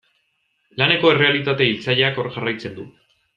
Laneko errealitate hiltzaileak hor jarraitzen du.